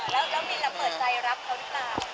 แล้วมินแล้วเปิดใจรับเขาหรือเปล่า